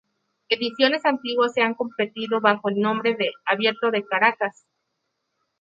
Ediciones antiguas se han competido bajo el nombre de "Abierto de Caracas".